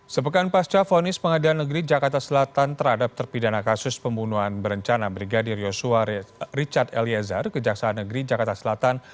sepekan pasca fonis pengadilan negeri jakarta selatan terhadap terpidana kasus pembunuhan berencana brigadir yosua richard eliezer kejaksaan negeri jakarta selatan